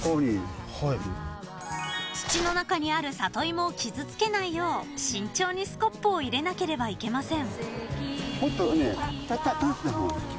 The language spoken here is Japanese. ［土の中にあるサトイモを傷つけないよう慎重にスコップを入れなければいけません］